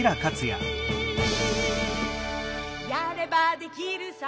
「やればできるさ